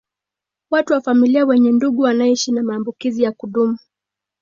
Watu wa familia wenye ndugu anayeishi na maambukizi ya kudumu